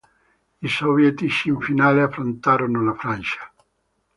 I sovietici in finale affrontarono la Francia.